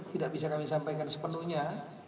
tidak bisa kami sampaikan sepenuhnya